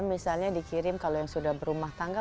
misalnya dikirim kalau yang sudah berumah tangga